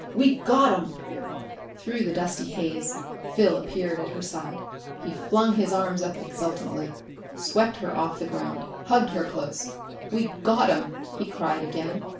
"We got 'em!" Through the dusty haze Phil appeared at her side. He flung his arms up exultantly, swept her off the ground, hugged her close. "We got 'em!" he cried again.